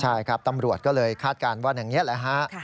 ใช่ครับตำรวจก็เลยคาดการณ์ว่าอย่างนี้แหละฮะ